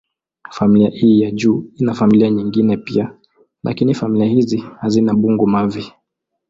Familia hii ya juu ina familia nyingine pia, lakini familia hizi hazina bungo-mavi.